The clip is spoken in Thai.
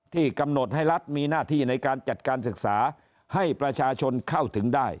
ที่กำหนดให้รัฐมีหน้าที่ในการจัดการศึกษาให้ประชาชนเข้าถึงได้